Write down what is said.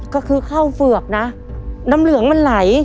ก็คือเข้าเฝือกนะน้ำเหลืองมันไหล